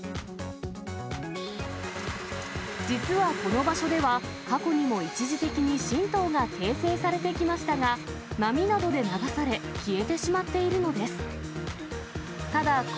実はこの場所では、過去にも一時的に新島が形成されてきましたが、波などで流され、消えてしまっているのです。